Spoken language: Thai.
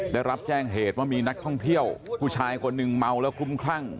ได้รับแจ้งเหตุว่ามีนักท่องเที่ยวผู้ชายคนหนึ่งเมาแล้วคลุ้มคลั่ง